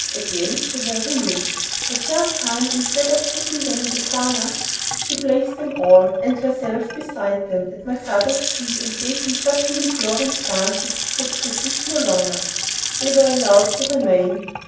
Again they were removed. The third time, instead of putting them in the corner, she placed them all, and herself beside them, at my father's feet, and gave him such an imploring glance that he could resist no longer, and they were allowed to remain.